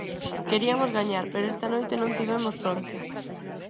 Queriamos gañar, pero esta noite non tivemos sorte.